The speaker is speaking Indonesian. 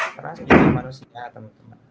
karena saya juga manusia teman teman